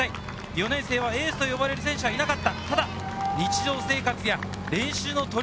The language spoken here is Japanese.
４年生はエースと呼ばれる選手がいなかった。